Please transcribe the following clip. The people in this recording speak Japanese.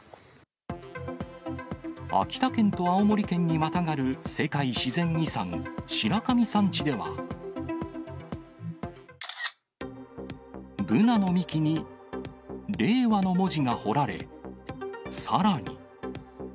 秋田県と青森県にまたがる世界自然遺産、白神山地では、ブナの幹に令和の文字が彫られ、さらに。